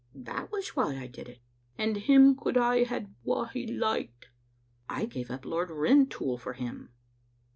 " That was why I did it." "And him could hae had wha he liked." " I gavfe up Lord Rintoul for him."